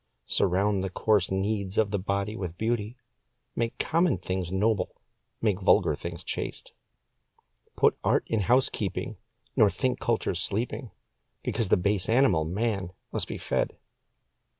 Surround the coarse needs of the body with beauty, Make common things noble, make vulgar things chaste. Put art in housekeeping, nor think culture sleeping Because the base animal, man, must be fed.